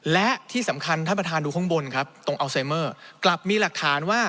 และที่สำคัญท่านประธานดูข้างบนครับตรงอัลไซเมอร์กลับมีหลักฐานว่า